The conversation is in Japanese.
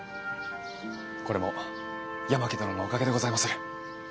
これも八巻殿のおかげでございまする。